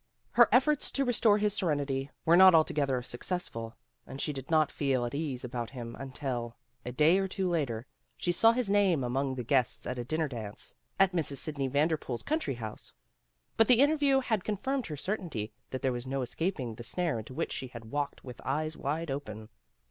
Her efforts to restore his serenity were not altogether successful and THE LONGEST WEEK ON RECOED 117 she did not feel at ease about him until, a day or two later, she saw his name among the guests at a dinner dance, at Mrs. Sidney Vanderpool's country house. But the interview had con firmed her certainty that there was no escaping the snare into which she had walked with eyes wide open.